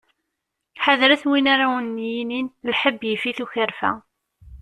Ḥader-t win ara awen-yinin lḥeb yif-it ukerfa!